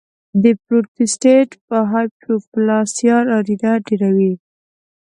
د پروسټیټ هایپرپلاسیا نارینه ډېروي.